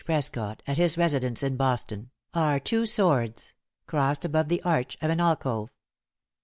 Prescott, at his residence in Boston, are two swords, crossed above the arch of an alcove.